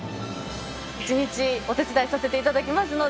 一日お手伝いさせていただきますので。